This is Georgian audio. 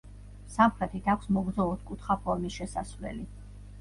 სამხრეთით აქვს მოგრძო ოთხკუთხა ფორმის შესასვლელი.